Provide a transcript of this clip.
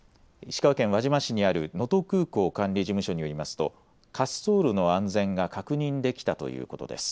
石川県輪島市にある能登空港管理事務所によりますと、滑走路の安全が確認できたということです。